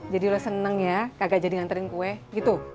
jadi lo seneng ya kagak jadi nganterin kue gitu